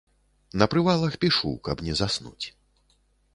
На прывалах пішу, каб не заснуць.